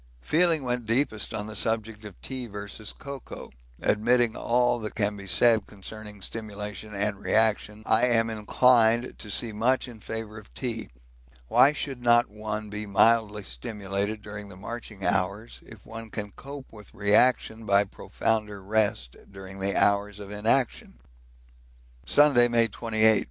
Feeling went deepest on the subject of tea versus cocoa; admitting all that can be said concerning stimulation and reaction, I am inclined to see much in favour of tea. Why should not one be mildly stimulated during the marching hours if one can cope with reaction by profounder rest during the hours of inaction? Sunday, May 28.